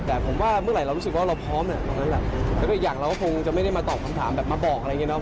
แต่ผมว่าเมื่อไหร่เรารู้สึกว่าเราพร้อมเนี่ยแล้วก็อยากเราคงจะไม่ได้มาตอบคำถามแบบมาบอกอะไรเงี้ยเนาะ